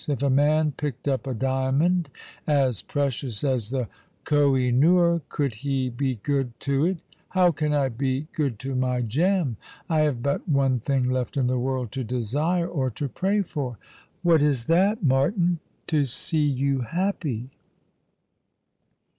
If a man picked up a diamond as precious as the Koh i noor, could he be good to it ? How can I be good to my gem ? I have but one thing left in the world to desire, or to pray for." "What is that, Martin?" " To see you happy."